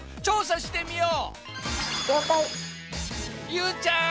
ゆうちゃん